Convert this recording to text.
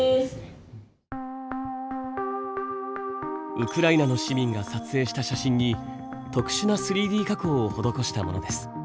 ウクライナの市民が撮影した写真に特殊な３Ｄ加工を施したものです。